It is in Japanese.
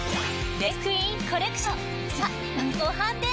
レースクイーンコレクション